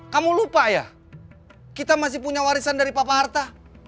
kamu lupa ya kita masih punya warisan dari pak paharta